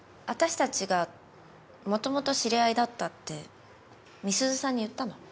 私たちがもともと知り合いだったって美鈴さんに言ったの？